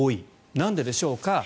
なんででしょうか。